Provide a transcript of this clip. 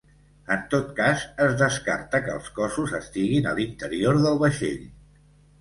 En tot cas, es descarta que els cossos estiguin a l’interior del vaixell.